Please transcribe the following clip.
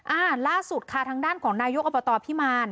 อ่าล่าสุดค่ะทางด้านของนายกอบตพิมาร